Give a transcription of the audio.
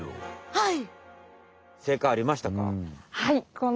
はい。